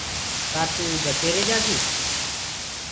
ڪآ تو ٻسيري جآسي؟